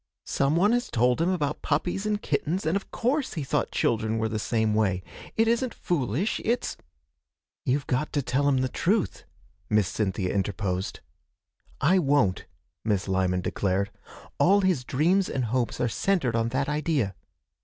Some one has told him about puppies and kittens, and of course he thought children were the same way. It isn't foolish, it's ' 'You've got to tell him the truth,' Miss Cynthia interposed. 'I won't,' Miss Lyman declared. 'All his dreams and hopes are centred on that idea.'